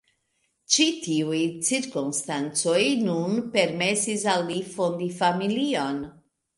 Ĉi tiuj cirkonstancoj nun permesis al li fondi familion.